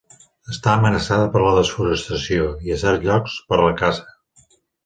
Està amenaçada per la desforestació i, a certs llocs, per la caça.